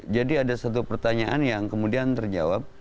jadi ada satu pertanyaan yang kemudian terjawab